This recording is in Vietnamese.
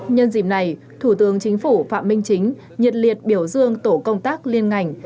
nhân dịp này thủ tướng chính phủ phạm minh chính nhiệt liệt biểu dương tổ công tác liên ngành